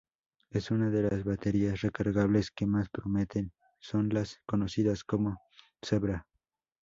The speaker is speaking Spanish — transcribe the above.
Es una de las baterías recargables que más prometen son las conocidas como Zebra.